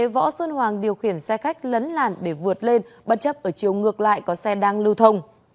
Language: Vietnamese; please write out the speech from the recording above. võ xuân hoàng điều khiển xe khách lấn làn để vượt lên bất chấp ở chiều ngược lại có xe đang lưu thông